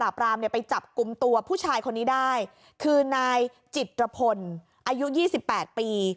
รามเนี่ยไปจับกลุ่มตัวผู้ชายคนนี้ได้คือนายจิตรพลอายุ๒๘ปี